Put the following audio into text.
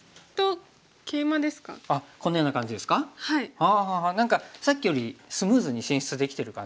あ何かさっきよりスムーズに進出できてる感じですね。